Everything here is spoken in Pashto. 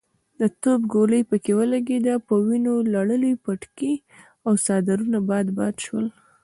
د توپ ډولۍ پکې ولګېده، په ونيو لړلي پټکي او څادرونه باد باد شول.